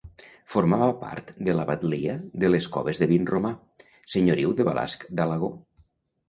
Formava part de la batlia de Les Coves de Vinromà, senyoriu de Balasc d'Alagó.